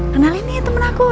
kenalin nih temen aku